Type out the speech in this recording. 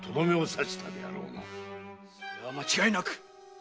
それは間違いなく。